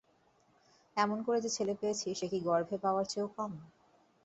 এমন করে যে ছেলে পেয়েছি সে কি গর্ভে পাওয়ার চেয়ে কম।